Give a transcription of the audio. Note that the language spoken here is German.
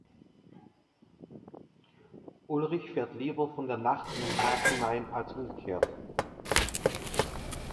Ulrich fährt lieber von der Nacht in den Tag hinein als umgekehrt.